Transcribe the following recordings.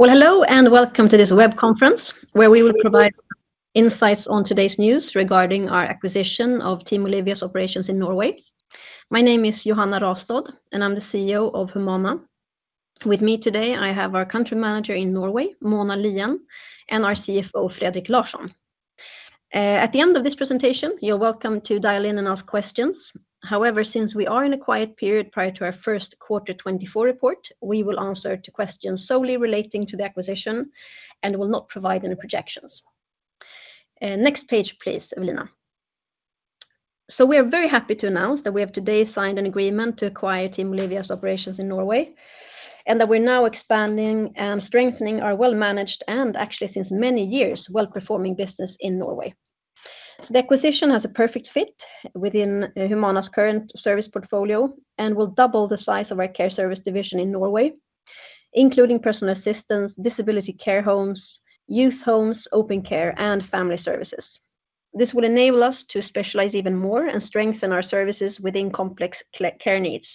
Well, hello and welcome to this Web Conference where we will provide insights on today's news regarding our acquisition of Team Olivia's operations in Norway. My name is Johanna Rastad, and I'm the CEO of Humana. With me today, I have our country manager in Norway, Mona Lien, and our CFO, Fredrik Larsson. At the end of this presentation, you're welcome to dial in and ask questions. However, since we are in a quiet period prior to our first quarter 2024 report, we will answer to questions solely relating to the acquisition and will not provide any projections. Next page, please, Ewelina. So we are very happy to announce that we have today signed an agreement to acquire Team Olivia's operations in Norway, and that we're now expanding and strengthening our well-managed and, actually, since many years, well-performing business in Norway. The acquisition has a perfect fit within Humana's current service portfolio and will double the size of our care service division in Norway, including personal assistance, disability care homes, youth homes, open care, and family services. This will enable us to specialize even more and strengthen our services within complex care needs.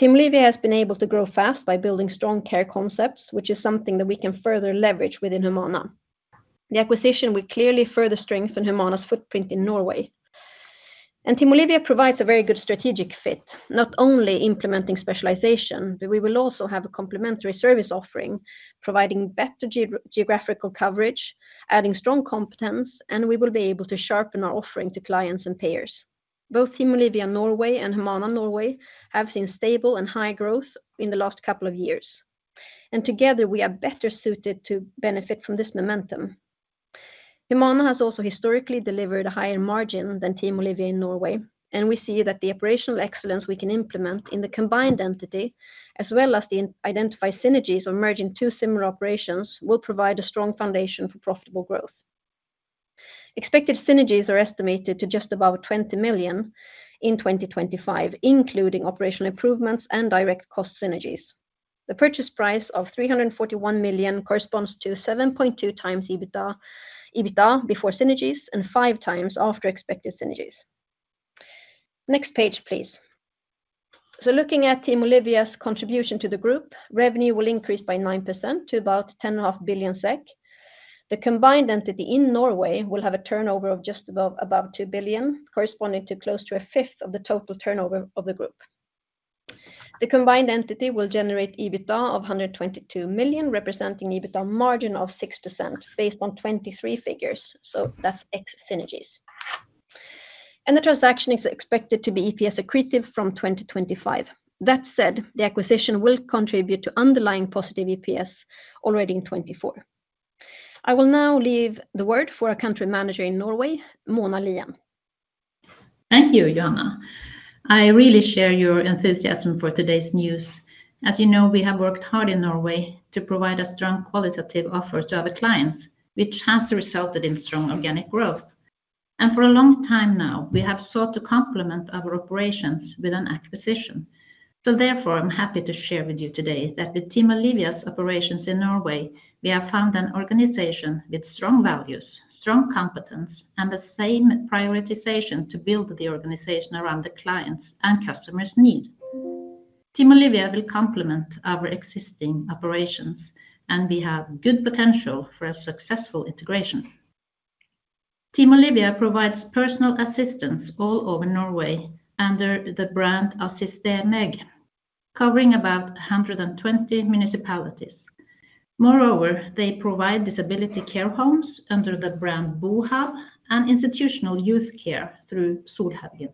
Team Olivia has been able to grow fast by building strong care concepts, which is something that we can further leverage within Humana. The acquisition will clearly further strengthen Humana's footprint in Norway. Team Olivia provides a very good strategic fit, not only implementing specialization, but we will also have a complementary service offering, providing better geographical coverage, adding strong competence, and we will be able to sharpen our offering to clients and payers. Both Team Olivia Norway and Humana Norway have seen stable and high growth in the last couple of years, and together we are better suited to benefit from this momentum. Humana has also historically delivered a higher margin than Team Olivia in Norway, and we see that the operational excellence we can implement in the combined entity, as well as the identified synergies of merging two similar operations, will provide a strong foundation for profitable growth. Expected synergies are estimated to just above 20 million in 2025, including operational improvements and direct cost synergies. The purchase price of 341 million corresponds to 7.2x EBITDA before synergies and 5x after expected synergies. Next page, please. So looking at Team Olivia's contribution to the group, revenue will increase by 9% to about 10.5 billion SEK. The combined entity in Norway will have a turnover of just above 2 billion, corresponding to close to a fifth of the total turnover of the group. The combined entity will generate EBITDA of 122 million, representing EBITDA margin of 6% based on 23 figures, so that's ex-synergies. The transaction is expected to be EPS accretive from 2025. That said, the acquisition will contribute to underlying positive EPS already in 2024. I will now leave the word for our country manager in Norway, Mona Lien. Thank you, Johanna. I really share your enthusiasm for today's news. As you know, we have worked hard in Norway to provide a strong qualitative offer to our clients, which has resulted in strong organic growth. For a long time now, we have sought to complement our operations with an acquisition. Therefore, I'm happy to share with you today that with Team Olivia's operations in Norway, we have found an organization with strong values, strong competence, and the same prioritization to build the organization around the clients' and customers' needs. Team Olivia will complement our existing operations, and we have good potential for a successful integration. Team Olivia provides personal assistance all over Norway under the brand AssisterMeg, covering about 120 municipalities. Moreover, they provide disability care homes under the brand BoHjemme and institutional youth care through Solhaugen.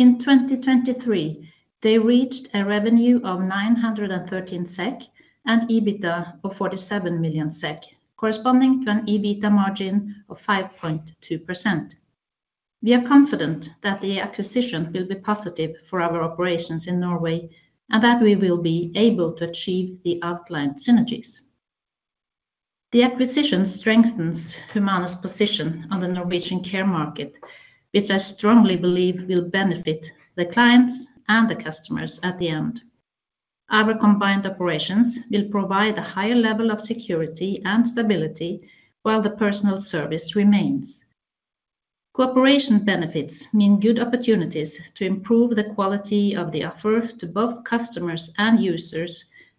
In 2023, they reached a revenue of 913 SEK and EBITDA of 47 million SEK, corresponding to an EBITDA margin of 5.2%. We are confident that the acquisition will be positive for our operations in Norway and that we will be able to achieve the outlined synergies. The acquisition strengthens Humana's position on the Norwegian care market, which I strongly believe will benefit the clients and the customers at the end. Our combined operations will provide a higher level of security and stability while the personal service remains. Cooperation benefits mean good opportunities to improve the quality of the offer to both customers and users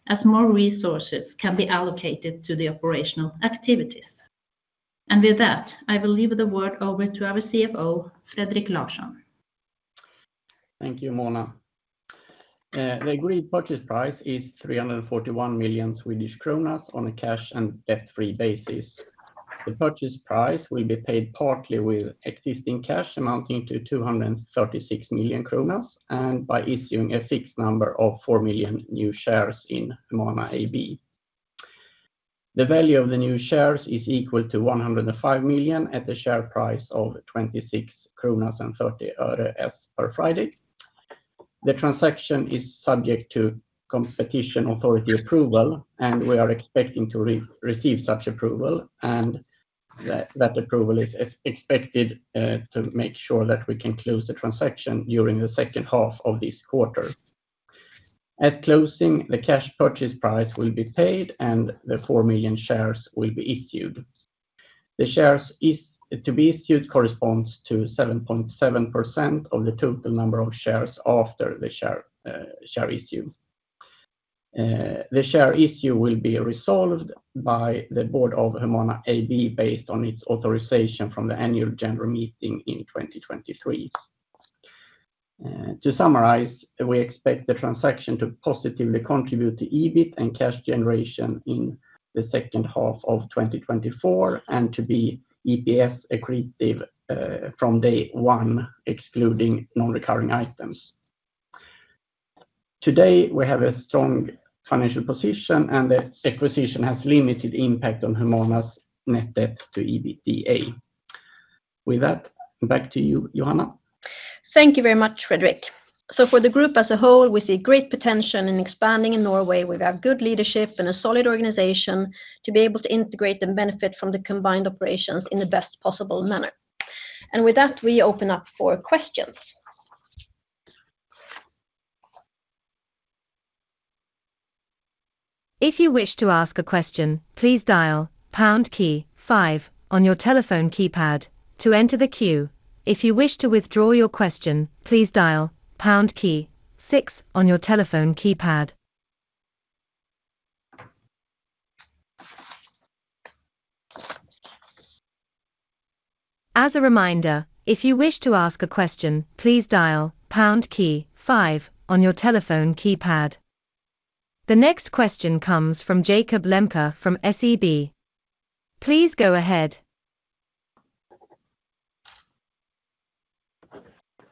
as more resources can be allocated to the operational activities. And with that, I will leave the word over to our CFO, Fredrik Larsson. Thank you, Mona. The agreed purchase price is 341 million Swedish kronor on a cash and debt-free basis. The purchase price will be paid partly with existing cash amounting to 236 million kronor and by issuing a fixed number of 4 million new shares in Humana AB. The value of the new shares is equal to 105 million at a share price of 26.30 kronor per Friday. The transaction is subject to competition authority approval, and we are expecting to receive such approval, and that approval is expected to make sure that we can close the transaction during the second half of this quarter. At closing, the cash purchase price will be paid, and the 4 million shares will be issued. The shares to be issued corresponds to 7.7% of the total number of shares after the share issue. The share issue will be resolved by the board of Humana AB based on its authorization from the annual general meeting in 2023. To summarize, we expect the transaction to positively contribute to EBIT and cash generation in the second half of 2024 and to be EPS accretive from day one, excluding non-recurring items. Today, we have a strong financial position, and the acquisition has limited impact on Humana's net debt to EBITDA. With that, back to you, Johanna. Thank you very much, Fredrik. For the group as a whole, we see great potential in expanding in Norway. We have good leadership and a solid organization to be able to integrate and benefit from the combined operations in the best possible manner. With that, we open up for questions. If you wish to ask a question, please dial pound key five on your telephone keypad to enter the queue. If you wish to withdraw your question, please dial pound key six on your telephone keypad. As a reminder, if you wish to ask a question, please dial pound key five on your telephone keypad. The next question comes from Jakob Lembke from SEB. Please go ahead.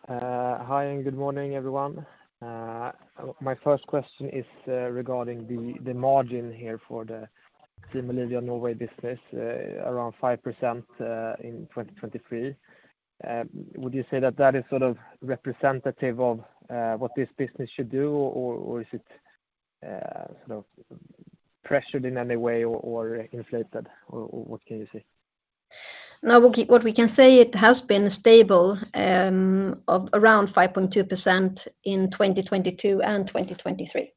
Hi and good morning, everyone. My first question is regarding the margin here for the Team Olivia Norway business, around 5% in 2023. Would you say that that is sort of representative of what this business should do, or is it sort of pressured in any way or inflated? What can you see? No, what we can say, it has been stable around 5.2% in 2022 and 2023.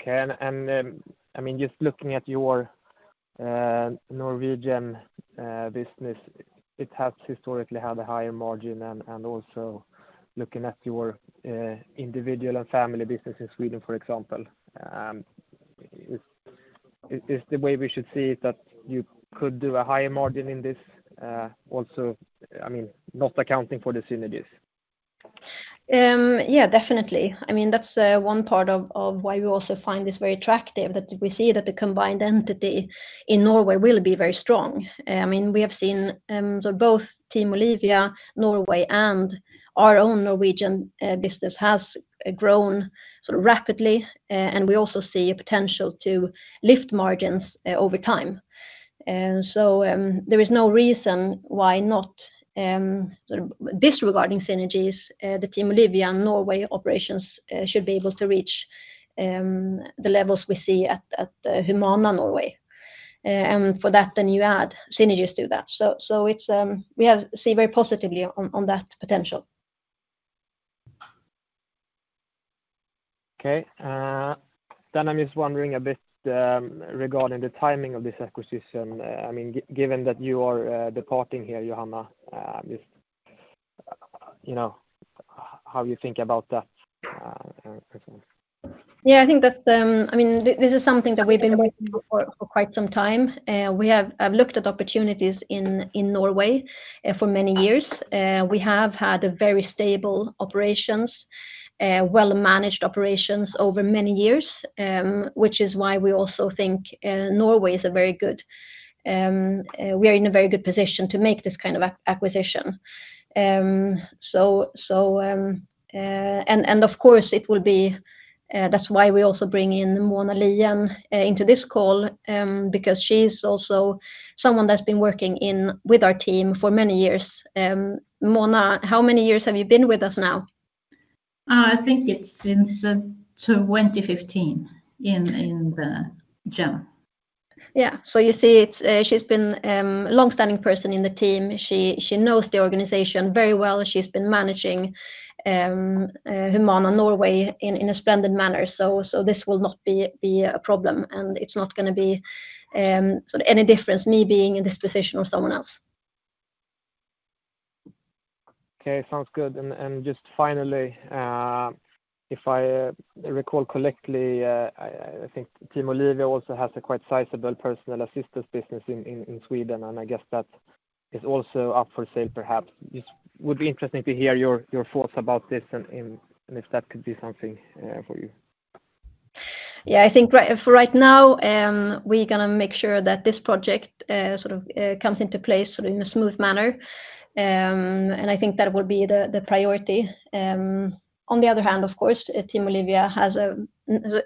Okay. And I mean, just looking at your Norwegian business, it has historically had a higher margin. And also looking at your individual and family business in Sweden, for example, is the way we should see it that you could do a higher margin in this? Also, I mean, not accounting for the synergies. Yeah, definitely. I mean, that's one part of why we also find this very attractive, that we see that the combined entity in Norway will be very strong. I mean, we have seen both Team Olivia, Norway, and our own Norwegian business has grown sort of rapidly, and we also see a potential to lift margins over time. So there is no reason why not, disregarding synergies, the Team Olivia Norway operations should be able to reach the levels we see at Humana Norway. And for that, then you add synergies to that. So we see very positively on that potential. Okay. Then I'm just wondering a bit regarding the timing of this acquisition. I mean, given that you are departing here, Johanna, just how you think about that and so on. Yeah, I think that's, I mean, this is something that we've been working on for quite some time. I've looked at opportunities in Norway for many years. We have had very stable operations, well-managed operations over many years, which is why we also think Norway is a very good, we are in a very good position to make this kind of acquisition. And of course, it will be, that's why we also bring in Mona Lien into this call, because she's also someone that's been working with our team for many years. Mona, how many years have you been with us now? I think it's since 2015 in the team. Yeah. So you see, she's been a longstanding person in the team. She knows the organization very well. She's been managing Humana Norway in a splendid manner. So this will not be a problem, and it's not going to be any difference me being in this position or someone else. Okay, sounds good. And just finally, if I recall correctly, I think Team Olivia also has a quite sizable personal assistance business in Sweden, and I guess that is also up for sale, perhaps. Just would be interesting to hear your thoughts about this and if that could be something for you. Yeah, I think for right now, we're going to make sure that this project sort of comes into place in a smooth manner. And I think that will be the priority. On the other hand, of course, Team Olivia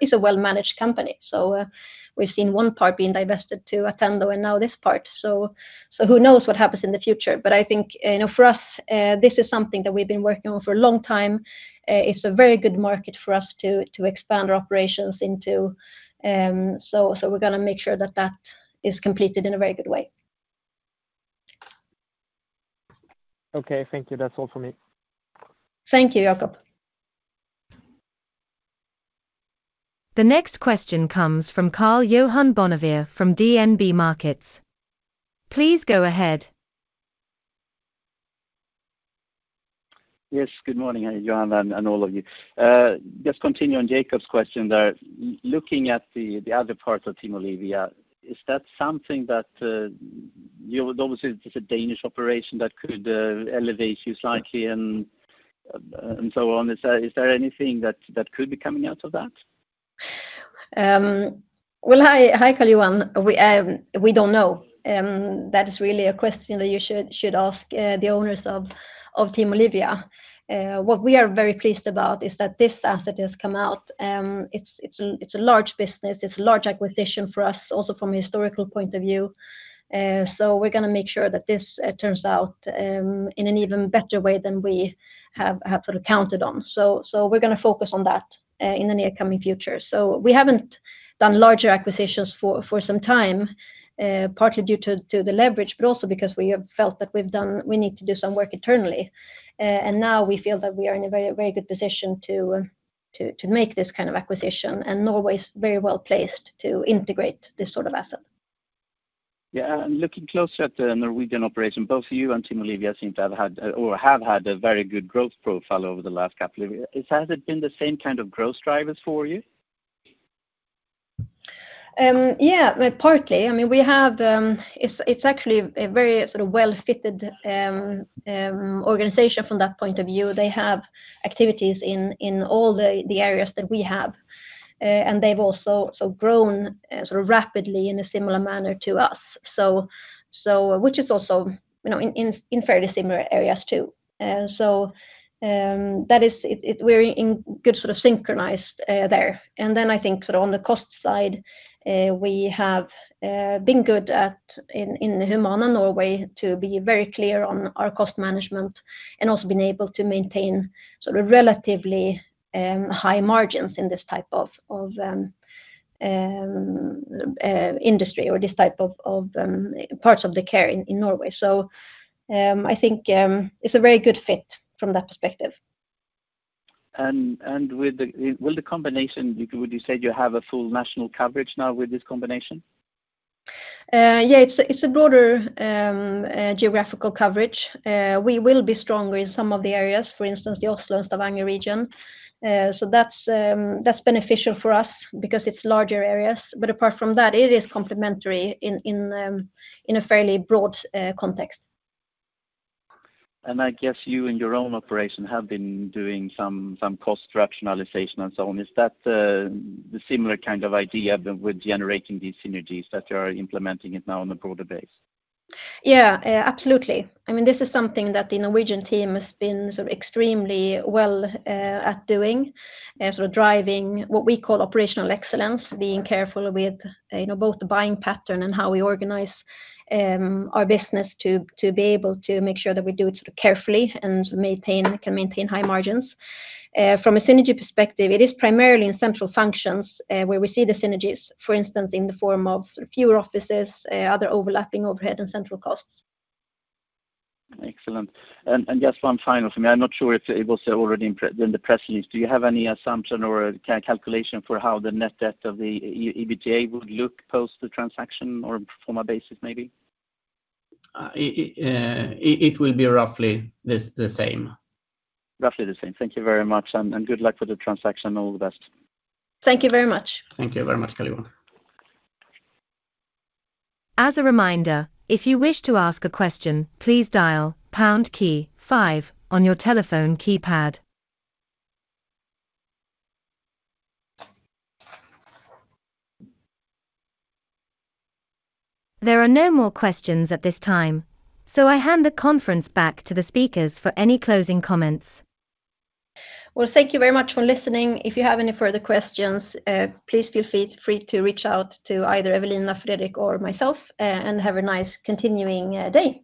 is a well-managed company. So we've seen one part being divested to Attendo and now this part. So who knows what happens in the future? But I think for us, this is something that we've been working on for a long time. It's a very good market for us to expand our operations into. So we're going to make sure that that is completed in a very good way. Okay, thank you. That's all from me. Thank you, Jakob. The next question comes from Karl-Johan Bonnevier from DNB Markets. Please go ahead. Yes, good morning, Johanna, and all of you. Just continuing on Jakob question there. Looking at the other parts of Team Olivia, is that something that, obviously, it's a Danish operation that could elevate you slightly and so on. Is there anything that could be coming out of that? Well, hi, Karl-Johan. We don't know. That is really a question that you should ask the owners of Team Olivia. What we are very pleased about is that this asset has come out. It's a large business. It's a large acquisition for us, also from a historical point of view. So we're going to make sure that this turns out in an even better way than we have sort of counted on. So we're going to focus on that in the near coming future. So we haven't done larger acquisitions for some time, partly due to the leverage, but also because we have felt that we need to do some work internally. And now we feel that we are in a very good position to make this kind of acquisition. And Norway is very well placed to integrate this sort of asset. Yeah. Looking closer at the Norwegian operation, both you and Team Olivia seem to have had or have had a very good growth profile over the last couple of years. Has it been the same kind of growth drivers for you? Yeah, partly. I mean, we have. It's actually a very sort of well-fitted organization from that point of view. They have activities in all the areas that we have. And they've also grown sort of rapidly in a similar manner to us, which is also in fairly similar areas too. So we're in good sort of synchronized there. And then I think sort of on the cost side, we have been good at in Humana Norway to be very clear on our cost management and also been able to maintain sort of relatively high margins in this type of industry or this type of parts of the care in Norway. So I think it's a very good fit from that perspective. Will the combination, would you say you have a full national coverage now with this combination? Yeah, it's a broader geographical coverage. We will be stronger in some of the areas, for instance, the Oslo and Stavanger region. So that's beneficial for us because it's larger areas. But apart from that, it is complementary in a fairly broad context. I guess you and your own operation have been doing some cost rationalization and so on. Is that the similar kind of idea with generating these synergies that you are implementing it now on a broader base? Yeah, absolutely. I mean, this is something that the Norwegian team has been sort of extremely well at doing, sort of driving what we call operational excellence, being careful with both the buying pattern and how we organize our business to be able to make sure that we do it sort of carefully and can maintain high margins. From a synergy perspective, it is primarily in central functions where we see the synergies, for instance, in the form of fewer offices, other overlapping overhead and central costs. Excellent. Just one final for me. I'm not sure if it was already in the press release. Do you have any assumption or calculation for how the net debt to EBITDA would look post the transaction or from a basis, maybe? It will be roughly the same. Roughly the same. Thank you very much. Good luck with the transaction. All the best. Thank you very much. Thank you very much, Karl-Johan. As a reminder, if you wish to ask a question, please dial pound key five on your telephone keypad. There are no more questions at this time, so I hand the conference back to the speakers for any closing comments. Well, thank you very much for listening. If you have any further questions, please feel free to reach out to either Ewelina, Fredrik, or myself, and have a nice continuing day.